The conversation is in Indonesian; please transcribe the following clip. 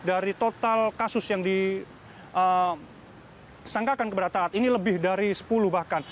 dari total kasus yang disangkakan kepada taat ini lebih dari sepuluh bahkan